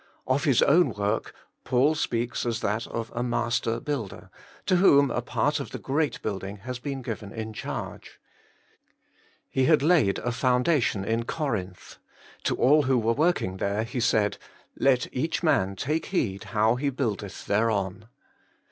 Of his own work, Paul speaks as of that of a master builder, to w^hom a part of the great building has been given in charge. He had laid a foundation in Corinth ; to all who were working there he said :' Let each man take heed how he buildeth thereon.'